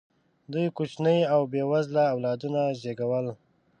دوی کوچني او بې وزله اولادونه زېږول.